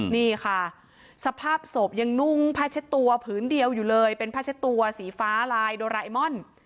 นี่ค่ะสภาพศพยังนุ่งพัชตัวผืนเดียวอยู่เลยเป็นพัชตัวสีฟ้าลายโดรไลมอน